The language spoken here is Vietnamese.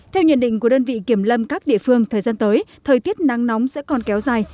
theo nhận định của đơn vị kiểm lâm các địa phương thời gian tới thời tiết nắng nóng sẽ còn kéo dài